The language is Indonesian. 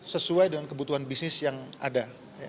sesuai dengan kebutuhan bisnis yang ada